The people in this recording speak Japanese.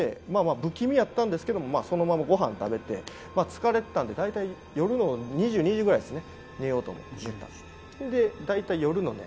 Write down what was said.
まあまあ不気味やったんですけれども、そのままご飯食べて疲れてたんで、だいたい夜の２２時くらいですね。